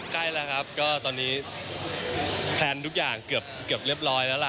ใกล้แล้วครับก็ตอนนี้แพลนทุกอย่างเกือบเรียบร้อยแล้วล่ะ